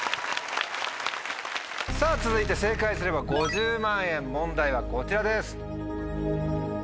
さぁ続いて正解すれば５０万円問題はこちらです。